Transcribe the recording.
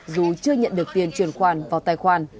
dù chưa nhận được tiền truyền khoản vào tài khoản